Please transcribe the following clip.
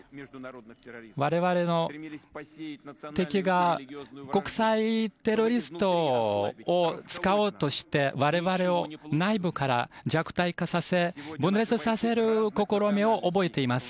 我々の敵が国際テロリストを使おうとして、我々を内部から弱体化させ、分裂させる試みを覚えています。